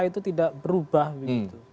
itu tidak berubah begitu